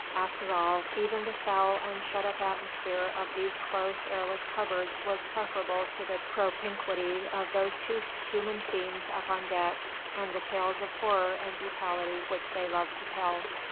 After all, even the foul and shut up atmosphere of these close, airless cupboards was preferable to the propinquity of those two human fiends up on deck and the tales of horror and brutality which they loved to tell.